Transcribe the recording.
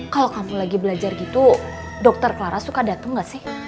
kalau kamu lagi belajar gitu dokter clara suka datang gak sih